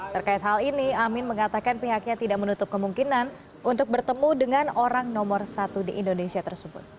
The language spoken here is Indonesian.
terkait hal ini amin mengatakan pihaknya tidak menutup kemungkinan untuk bertemu dengan orang nomor satu di indonesia tersebut